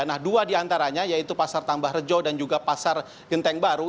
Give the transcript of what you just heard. nah dua diantaranya yaitu pasar tambah rejo dan juga pasar genteng baru